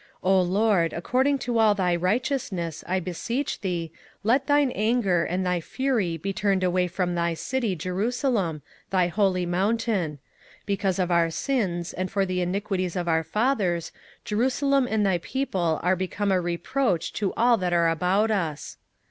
27:009:016 O LORD, according to all thy righteousness, I beseech thee, let thine anger and thy fury be turned away from thy city Jerusalem, thy holy mountain: because for our sins, and for the iniquities of our fathers, Jerusalem and thy people are become a reproach to all that are about us.